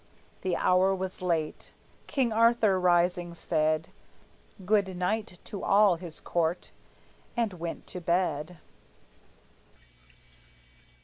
The hour was late. King Arthur, rising, said Good night to all his court, and went to bed.